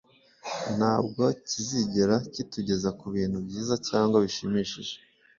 nta bwo kizigera kitugeza ku bintu byiza cyangwa bishimishije,